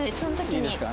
いいですか？